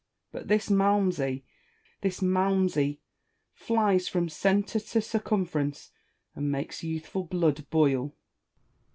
But this Malmsey, this Malmsey, flies from centre to circumference, and makes youthful blood boil.